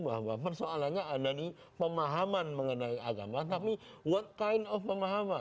jadi itu sebenarnya ada nih pemahaman mengenai agama tapi what kind of pemahaman